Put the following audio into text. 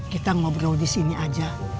kita ngobrol disini aja